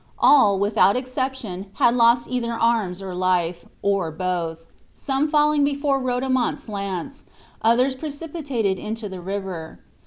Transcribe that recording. All, without exception, had lost either arms or life, or both; some falling before Rodomont's lance, others precipitated into the river.